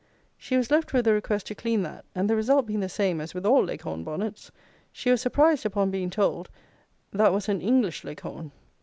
She was left with a request to clean that; and the result being the same as with all Leghorn bonnets, she was surprised upon being told that that was an "English Leghorn."